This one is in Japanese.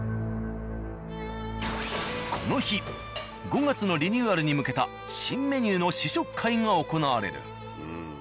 この日５月のリニューアルに向けた新メニューの試食会が行われる。